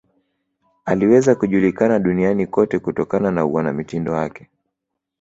aliweza kujulikana duniani kote kutokana na uanamitindo wake